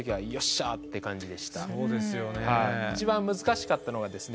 一番難しかったのがですね